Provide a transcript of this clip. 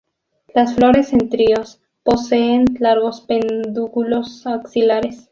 Las flores en tríos, poseen largos pedúnculos axilares.